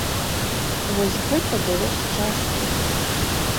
Вось гэта было шчасце!